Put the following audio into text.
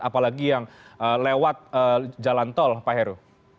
apalagi yang lewat jalan tol pak heru